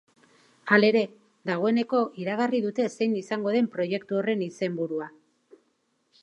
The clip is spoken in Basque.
Halere, dagoeneko iragarri dute zein izango den proiektu horren izenburua.